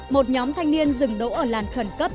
một nhóm thanh niên dừng đỗ ở làn khẩn cấp